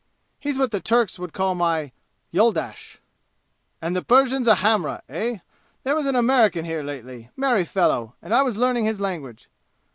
"He's what the Turks would call my youldash." "And the Persians a hamrah, eh? There was an American here lately merry fellow and I was learning his language.